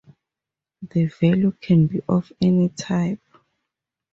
The value can be of any type.